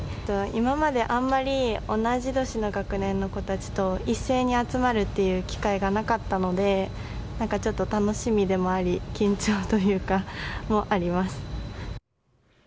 今まで、あまり同い年の学年の子たちと一斉に集まるという機会がなかったのでちょっと楽しみでもあり緊張というかそれもあります。